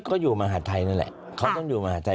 ก็อยู่มหาดไทยนั่นแหละเขาต้องอยู่มหาดไทย